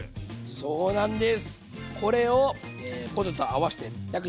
そうなんです。